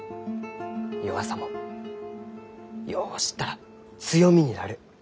弱さもよう知ったら強みになる。